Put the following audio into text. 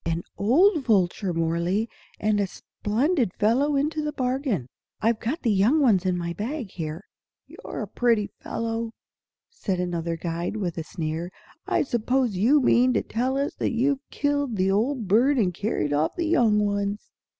"An old vulture, Mohrle, and a splendid fellow into the bargain! I've got the young ones in my bag here." "You're a pretty fellow!" said another guide, with a sneer. "I suppose you mean to tell us that you've killed the old bird and carried off the young ones?"